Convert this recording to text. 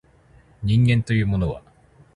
人間というものは